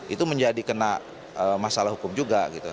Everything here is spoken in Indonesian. itu menjadi kena masalah hukum juga gitu